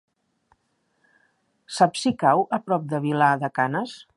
Saps si cau a prop de Vilar de Canes?